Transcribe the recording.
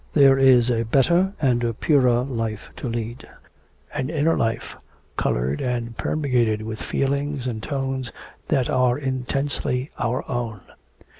There is a better and a purer life to lead... an inner life, coloured and permeated with feelings and tones that are intensely our own.